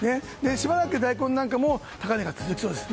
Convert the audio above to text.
しばらく大根なんかも高値が続きそうです。